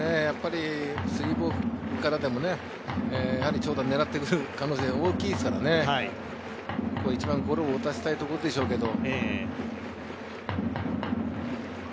スリーボールからでも長打を狙っている可能性が大きいですから一番ゴロを打たせたいところでしょうけど。